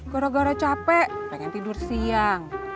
gara gara capek pengen tidur siang